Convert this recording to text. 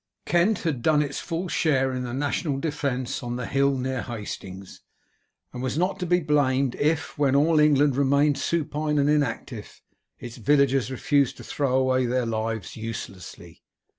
Kent had done its full share in the national defence on the hill near Hastings, and was not to be blamed if, when all England remained supine and inactive, its villagers refused to throw away their lives uselessly.